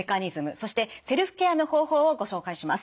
そしてセルフケアの方法をご紹介します。